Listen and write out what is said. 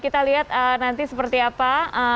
kita lihat nanti seperti apa